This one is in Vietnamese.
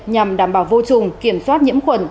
nhằm đảm bảo vô trùng kiểm soát nhiễm khuẩn